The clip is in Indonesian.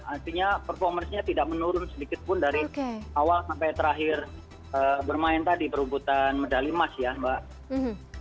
artinya performance nya tidak menurun sedikit pun dari awal sampai terakhir bermain tadi perubutan medali emas ya mbak